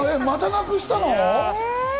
またなくしたの？